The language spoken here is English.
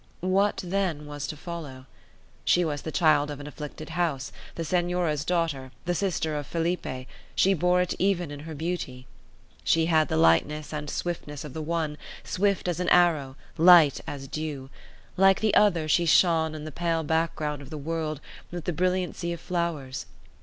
What then was to follow? She was the child of an afflicted house, the Senora's daughter, the sister of Felipe; she bore it even in her beauty. She had the lightness and swiftness of the one, swift as an arrow, light as dew; like the other, she shone on the pale background of the world with the brilliancy of flowers.